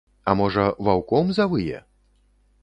А можа, ваўком завые?